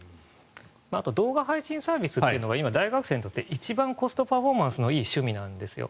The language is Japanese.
あと、動画配信サービスというのが大学生にとって一番コストパフォーマンスのいい趣味なんですよ。